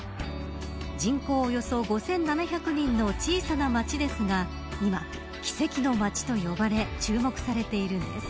人口およそ５７００人の小さな町ですが今、奇跡の町と呼ばれ注目されているんです。